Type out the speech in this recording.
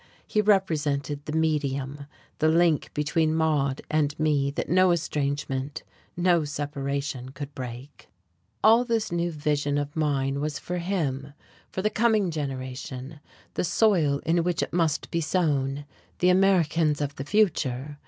He represented the medium, the link between Maude and me that no estrangement, no separation could break. All this new vision of mine was for him, for the coming generation, the soil in which it must be sown, the Americans of the future.